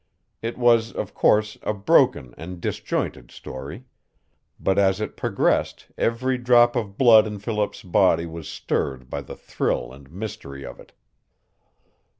It was, of course, a broken and disjointed story. But as it progressed every drop of blood in Philip's body was stirred by the thrill and mystery of it.